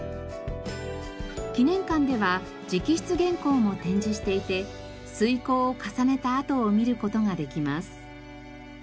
記念館では直筆原稿も展示していて推敲を重ねた跡を見る事ができます。